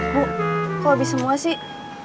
bu kok habis semua sih